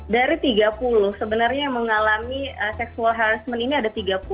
dari tiga puluh sebenarnya yang mengalami sexual harsement ini ada tiga puluh